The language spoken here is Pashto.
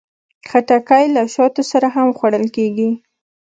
خټکی له شاتو سره هم خوړل کېږي.